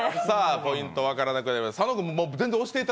ポイント分からなくなりました。